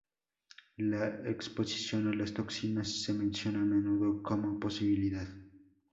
La exposición a las toxinas se menciona a menudo como posibilidad.